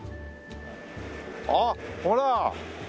ああほら！